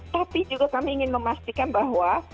tapi juga kami ingin memastikan bahwa